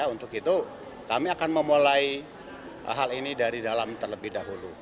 untuk itu kami akan memulai hal ini dari dalam terlebih dahulu